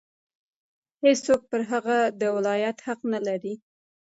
هېڅوک پر هغه د ولایت حق نه لري.